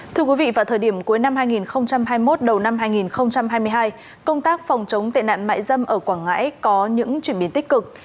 thưa quý vị vào thời điểm cuối năm hai nghìn hai mươi một đầu năm hai nghìn hai mươi hai công tác phòng chống tệ nạn mại dâm ở quảng ngãi có những chuyển biến tích cực